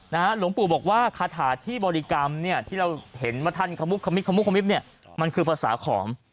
หลวงปู่บอกว่าคาถาที่บริกรรมที่เราเห็นมาท่านมันคือภาษาขอม